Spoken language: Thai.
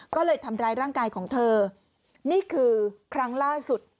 ก็เลยทำร้ายร่างกายของเธอนี่คือครั้งล่าสุด